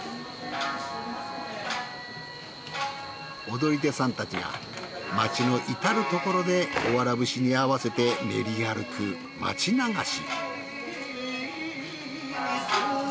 踊り手さんたちが町の至る所でおわら節に合わせて練り歩く町流し。